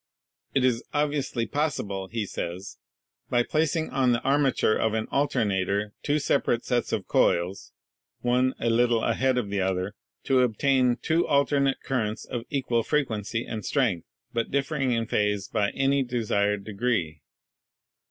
"It is obviously possible," he says, "by placing on the ar mature of an alternator two separate sets of coils, one a little ahead of the other, to obtain two alternate currents of equal frequency and strength, but differing in phase by any desired degree.